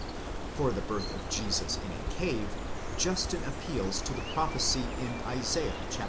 For the birth of Jesus in a cave, Justin appeals to the prophecy in Isaiah xxviii.